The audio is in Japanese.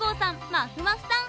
まふまふさん